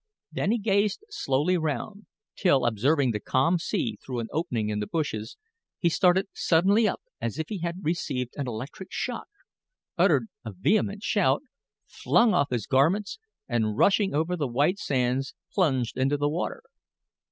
Then he gazed slowly round, till, observing the calm sea through an opening in the bushes, he started suddenly up as if he had received an electric shock, uttered a vehement shout, flung off his garments, and rushing over the white sands, plunged into the water.